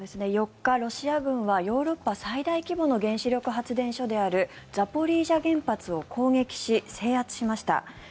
４日、ロシア軍はヨーロッパ最大規模の原子力発電所であるザポリージャ原発を攻撃し制圧しました。